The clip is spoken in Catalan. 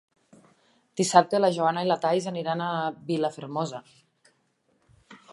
Dissabte na Joana i na Thaís aniran a Vilafermosa.